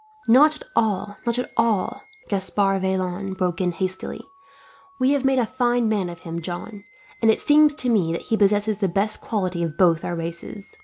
"Not at all, not at all," Gaspard Vaillant broke in hastily, "we have made a fine man of him, John; and it seems to me that he possesses the best qualities of both our races.